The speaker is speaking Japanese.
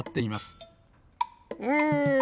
うん。